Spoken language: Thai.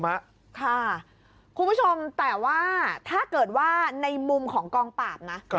คุณผู้ชมแต่ว่าถ้าเกิดว่าในมุมของกองปราบนะ